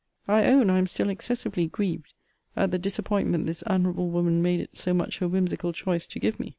I own I am still excessively grieved at the disappointment this admirable woman made it so much her whimsical choice to give me.